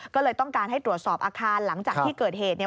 ก็เลยต้องการให้ตรวจสอบอาคารหลังจากที่เกิดเหตุเนี่ย